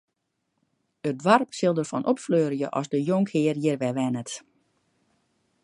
It doarp sil derfan opfleurje as de jonkhear hjir wer wennet.